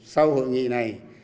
sau hội nghị này